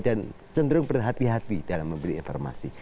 dan cenderung berhati hati dalam membeli informasi